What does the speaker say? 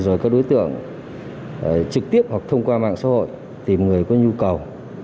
rồi các đối tượng trực tiếp hoặc thông qua mạng xã hội tìm người có nhu cầu